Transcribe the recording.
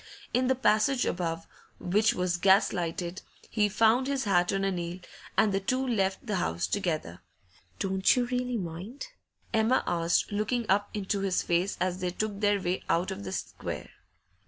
In the passage above, which was gas lighted, he found his hat on a nail, and the two left the house together. 'Don't you really mind?' Emma asked, looking up into his face as they took their way out of the square.